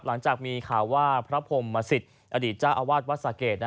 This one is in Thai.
หลังจากมีข่าวว่าพระพรหมสิตอดีตจ้าอาวาสวกสาเขต